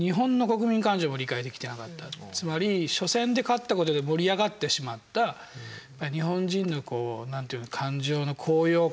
つまり緒戦で勝ったことで盛り上がってしまった日本人のこう何ていうか感情の高揚感。